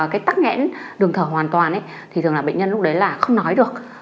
cái tắt nhẽn đường thở hoàn toàn thì thường là bệnh nhân lúc đấy là không nói được